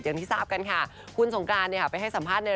อยู่ที่สาบกันค่ะคุณศงการเนี่ยไปให้สัมภาษณ์ใน